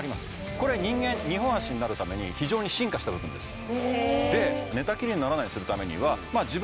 これ人間２本足になるために非常に進化した部分ですへえ